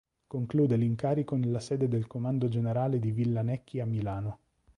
Conclude l'incarico nella sede del Comando Generale di Villa Necchi a Milano.